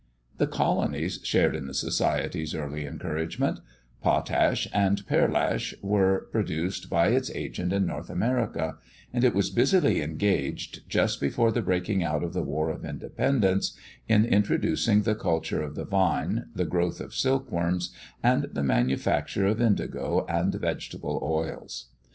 The colonies shared in the Society's early encouragement: potash and pearlash were produced by its agent in North America; and it was busily engaged, just before the breaking out of the war of independence, in introducing the culture of the vine, the growth of silk worms, and the manufacture of indigo and vegetable oils.